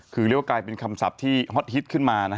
คือเรียกว่ากลายเป็นคำศัพท์ที่ฮอตฮิตขึ้นมา